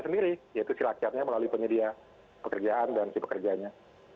yaitu si laksananya melalui penyedia pekerjaan dan si pekerjanya